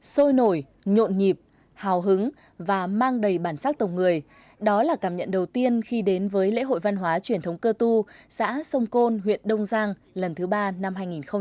sôi nổi nhộn nhịp hào hứng và mang đầy bản sắc tộc người đó là cảm nhận đầu tiên khi đến với lễ hội văn hóa truyền thống cơ tu xã sông côn huyện đông giang lần thứ ba năm hai nghìn một mươi chín